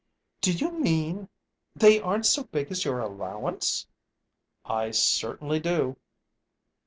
"Do you mean they aren't so big as your allowance?" "I certainly do."